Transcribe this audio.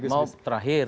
saya mau terakhir